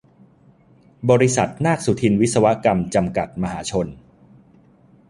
บริษัท นาคสุทินวิศวกรรม จำกัด มหาชน